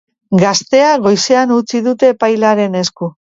Gaztea goizean utzi dute epailearen esku.